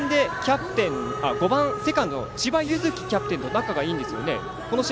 ５番セカンド千葉柚樹キャプテンと仲がいいんですよね。